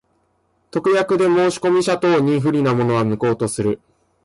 特約で申込者等に不利なものは、無効とする。